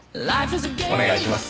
お願いします。